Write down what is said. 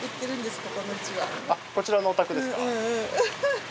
こちらのお宅ですか？